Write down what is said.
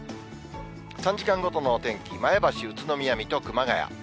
３時間ごとのお天気、前橋、宇都宮、水戸、熊谷。